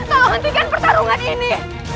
tolong hentikan pertarungan ini